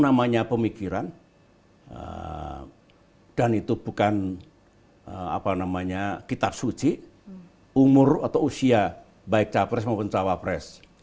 namanya pemikiran dan itu bukan kitab suci umur atau usia baik capres maupun cawapres